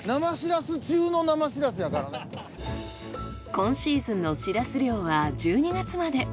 今シーズンのシラス漁は１２月まで。